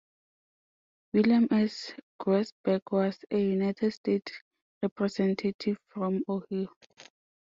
William S. Groesbeck was a United States Representative from Ohio.